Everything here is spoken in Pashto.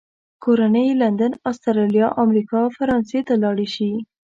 کورنۍ یې لندن، استرالیا، امریکا او فرانسې ته لاړې شي.